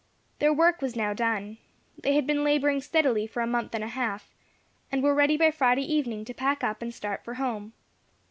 Their work was now done. They had been labouring steadily for a month and a half, and were ready by Friday evening to pack up and start for home.